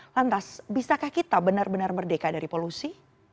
lantas bisakah kita benar benar merdeka dari polusi